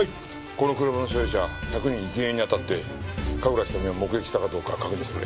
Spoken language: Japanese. この車の所有者１００人全員に当たって神楽瞳を目撃したかどうか確認してくれ。